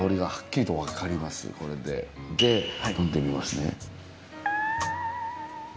呑んでみますね。